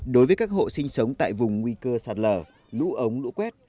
đối với các hộ sinh sống tại vùng nguy cơ sạt lở lũ ống lũ quét